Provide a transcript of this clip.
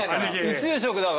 宇宙食だから。